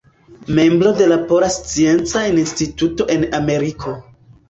Membro de la Pola Scienca Instituto en Ameriko.